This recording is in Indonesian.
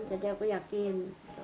jadi aku yakin